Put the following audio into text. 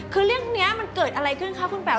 คือเรื่องนี้มันเกิดอะไรขึ้นคะคุณแป๋ว